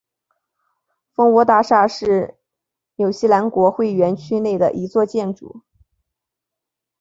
蜂窝大厦是纽西兰国会园区内的一座建筑。